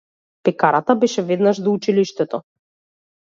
Пекарата беше веднаш до училиштето.